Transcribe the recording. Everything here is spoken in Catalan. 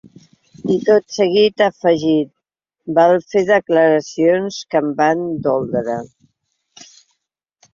I tot seguit ha afegit: Va fer declaracions que em van doldre.